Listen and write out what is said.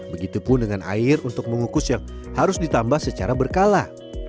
begitupun dengan air untuk mengukus yang harus ditambah secara berkala